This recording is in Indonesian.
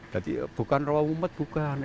jadi bukan rawa umet bukan